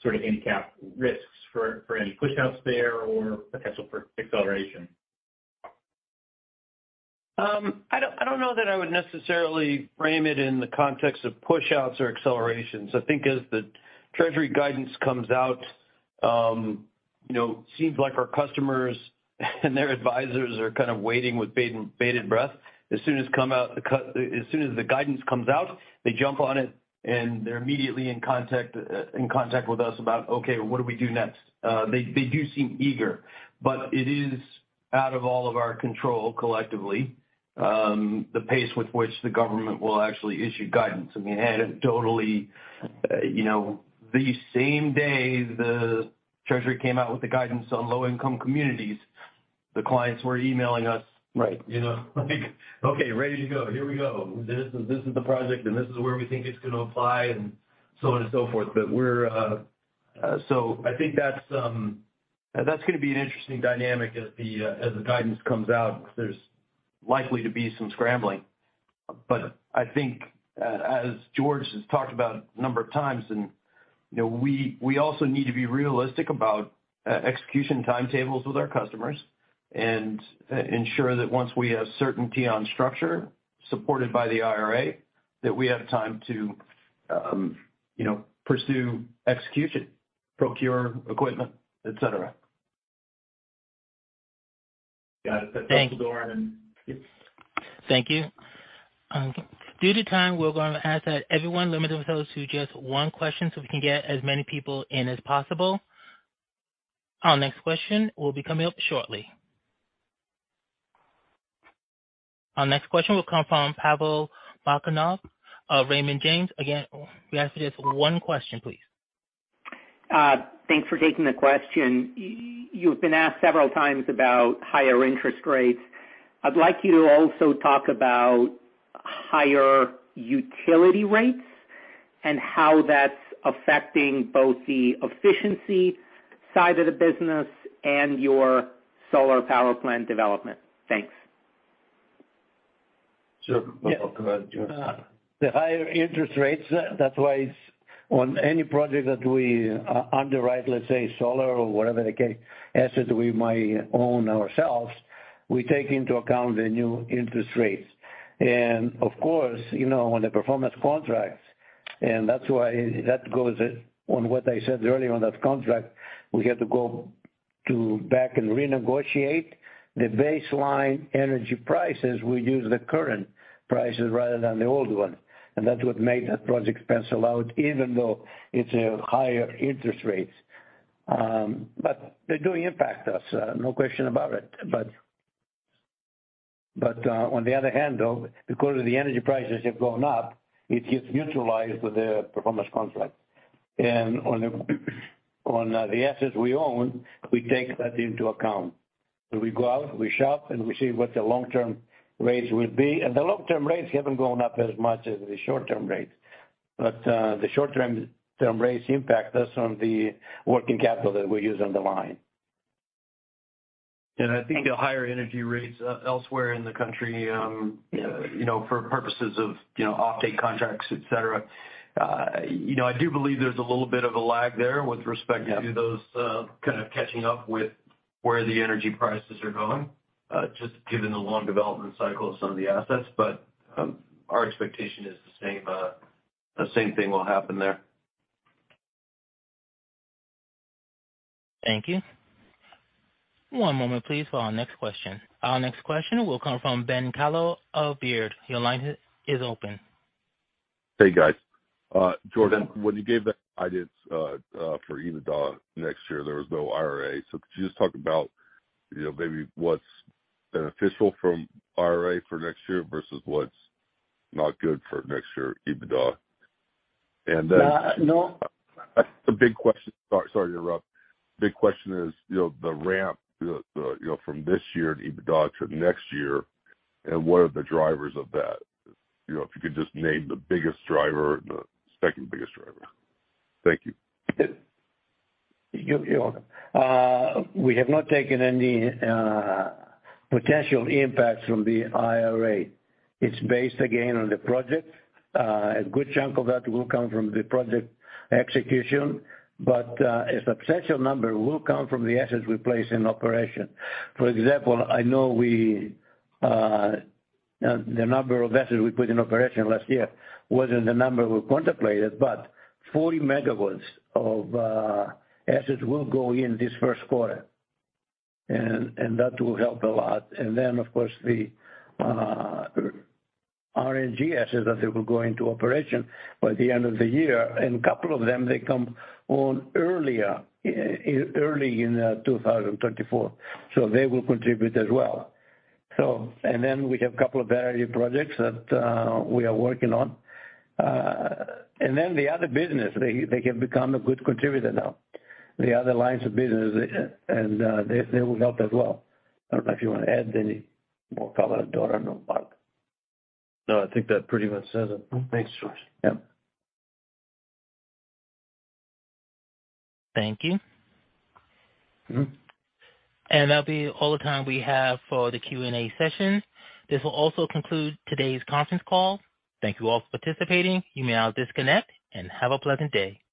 sort of handicap risks for any pushouts there or potential for acceleration? I don't, I don't know that I would necessarily frame it in the context of pushouts or accelerations. I think as the Treasury guidance comes out, you know, seems like our customers and their advisors are kind of waiting with bated breath. As soon as the guidance comes out, they jump on it, and they're immediately in contact, in contact with us about, "Okay, what do we do next?" They, they do seem eager. It is out of all of our control collectively, the pace with which the government will actually issue guidance. I mean, anecdotally, you know, the same day the Treasury came out with the guidance on low-income communities, the clients were emailing us- Right. You know, like, "Okay, ready to go. Here we go. This is the project, and this is where we think it's gonna apply," and so on and so forth. We're. I think that's gonna be an interesting dynamic as the, as the guidance comes out, 'cause there's likely to be some scrambling. I think as George has talked about a number of times and, you know, we also need to be realistic about execution timetables with our customers and ensure that once we have certainty on structure supported by the IRA, that we have time to, you know, pursue execution, procure equipment, et cetera. Got it. That's all, Doran. Thank you. Due to time, we're gonna ask that everyone limit themselves to just one question so we can get as many people in as possible. Our next question will be coming up shortly. Our next question will come from Pavel Molchanov of Raymond James. Again, we ask for just one question, please. Thanks for taking the question. You've been asked several times about higher interest rates. I'd like you to also talk about higher utility rates and how that's affecting both the efficiency side of the business and your solar power plant development. Thanks. Sure. Go ahead, George. Yeah. The higher interest rates, that's why it's on any project that we underwrite, let's say, solar or whatever the case assets we might own ourselves, we take into account the new interest rates. Of course, you know, on the performance contracts, and that's why that goes on what I said earlier on that contract, we had to go to back and renegotiate the baseline energy prices. We use the current prices rather than the old one. That's what made that project pencil out, even though it's a higher interest rates. But they do impact us. No question about it. On the other hand, though, because of the energy prices have gone up, it gets neutralized with the performance contract. On the assets we own, we take that into account. We go out, we shop, and we see what the long-term rates will be. The long-term rates haven't gone up as much as the short-term rates. The short-term rates impact us on the working capital that we use on the line. I think the higher energy rates elsewhere in the country, you know, for purposes of, you know, offtake contracts, et cetera, you know, I do believe there's a little bit of a lag there with respect. Yeah. to those, kind of catching up with where the energy prices are going, just given the long development cycle of some of the assets. Our expectation is the same, the same thing will happen there. Thank you. One moment please for our next question. Our next question will come from Ben Kallo of Baird. Your line is open. Hey, guys. Doran, when you gave the guidance for EBITDA next year, there was no IRA. Could you just talk about, you know, maybe what's beneficial from IRA for next year versus what's not good for next year EBITDA? Yeah. Sorry to interrupt. Big question is, you know, the ramp, the, you know, from this year in EBITDA to next year and what are the drivers of that? You know, if you could just name the biggest driver and the second-biggest driver. Thank you. You're welcome. We have not taken any potential impacts from the IRA. It's based again on the projects. A good chunk of that will come from the project execution, but a substantial number will come from the assets we place in operation. For example, I know the number of assets we put in operation last year wasn't the number we contemplated, but 40 MWs of assets will go in this first quarter. That will help a lot. Then, of course, the RNG assets that they will go into operation by the end of the year, and couple of them, they come on earlier, early in 2024. They will contribute as well. Then we have couple of early projects that we are working on. The other business, they have become a good contributor now. The other lines of business, they will help as well. I don't know if you wanna add any more color, Doran or Mark. No, I think that pretty much says it. Thanks, George. Yeah. Thank you. Mm-hmm. That'll be all the time we have for the Q&A session. This will also conclude today's conference call. Thank you all for participating. You may now disconnect and have a pleasant day.